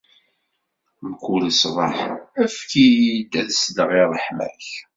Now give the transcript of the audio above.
Mkul ṣṣbeḥ, efk-iyi-d ad sleɣ i ṛṛeḥma-k.